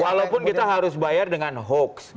walaupun kita harus bayar dengan hoax